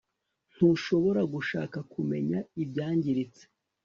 ntushobora gushaka kumenya ibyangiritse